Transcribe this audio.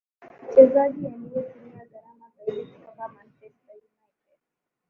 Mchezaji aliye tumia gharama zaidi kutoka Manchester United